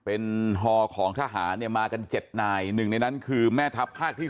เป็นฮของทหารเนี่ยมากัน๗นายหนึ่งในนั้นคือแม่ทัพภาคที่๓